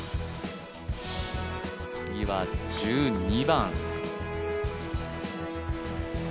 次は１２番。